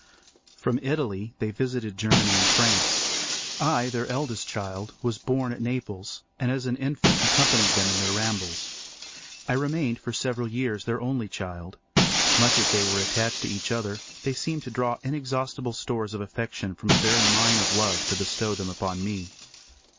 From Italy they visited Germany and France. I, their eldest child, was born at Naples, and as an infant accompanied them in their rambles. I remained for several years their only child. Much as they were attached to each other, they seemed to draw inexhaustible stores of affection from a very mine of love to bestow them upon me.